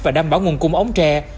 và đảm bảo nguồn cung ống tre